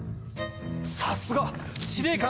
さすが！司令官！